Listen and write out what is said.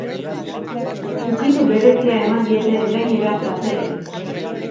Ukitu berezia eman diete gainera platerei.